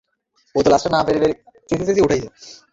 ওকে আমি অনেকটা ফিরিয়ে এনেছি।